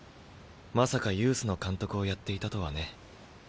まさかユースの監督をやっていたとはね。